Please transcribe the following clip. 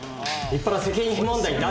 立派な責任問題に。